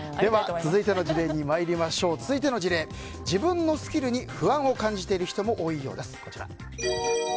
続いての事例、自分のスキルに不安を感じている人も多いようです。